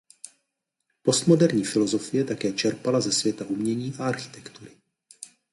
Postmoderní filosofie také čerpala ze světa umění a architektury.